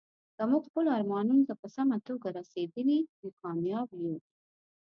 که موږ خپلو ارمانونو ته په سمه توګه رسیدلي، نو کامیاب یو.